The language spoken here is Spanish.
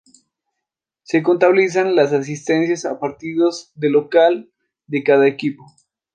Se contabilizan las asistencias a partidos de local de cada equipo.